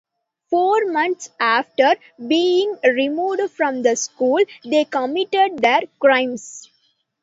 Four months after being removed from the school, they committed their crimes.